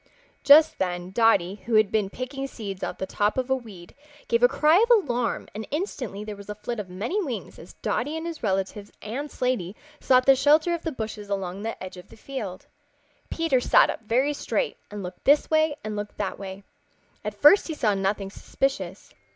Just then Dotty, who had been picking seeds out of the top of a weed, gave a cry of alarm and instantly there was a flit of many wings as Dotty and his relatives and Slaty sought the shelter of the bushes along the edge of the field. Peter sat up very straight and looked this way and looked that way. At first he saw nothing suspicious.